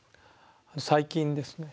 最近ですね